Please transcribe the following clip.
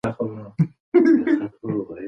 د دولتي اسنادو ساتنه يې تنظيم کړه.